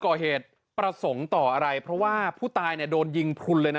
ก่อเหตุประสงค์ต่ออะไรเพราะว่าผู้ตายเนี่ยโดนยิงพลุนเลยนะ